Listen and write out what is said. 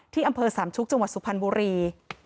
อำเภอสามชุกจังหวัดสุพรรณบุรี